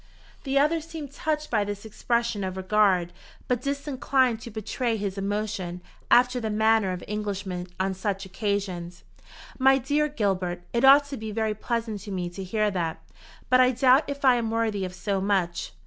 The other seemed touched by this expression of regard, but disinclined to betray his emotion, after the manner of Englishmen on such occasions. "My dear Gilbert, it ought to be very pleasant to me to hear that. But I doubt if I am worthy of so much.